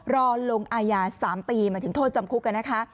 รอลงอายา๓ปีหมายถึงโทษจำคุกนะคะ